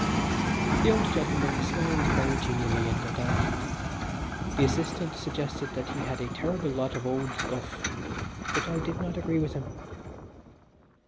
The old gentleman smiled very genially and went out. The assistant suggested that he had a terrible lot of old "guff," but I did not agree with him.